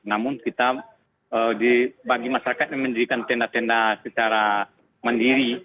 namun kita bagi masyarakat yang menjadikan tenda tenda secara mandiri